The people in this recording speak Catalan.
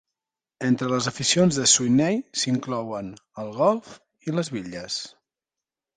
Entre les aficions de Sweeney s'inclouen el golf i les bitlles.